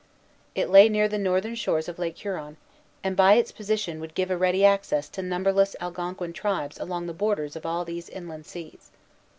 It lay near the northern shores of Lake Huron, and by its position would give a ready access to numberless Algonquin tribes along the borders of all these inland seas.